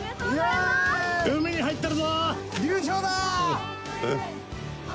海に入ってるぞ！